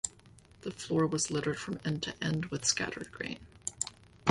The floor was littered from end to end with scattered grain